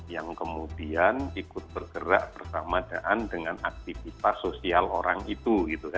yang kemudian ikut bergerak bersama dengan aktivitas sosial orang itu